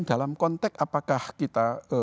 dalam konteks apakah kita